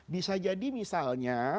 bisa jadi misalnya